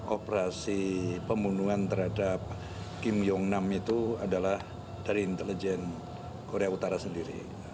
operasi pembunuhan terhadap kim jong nam itu adalah dari intelijen korea utara sendiri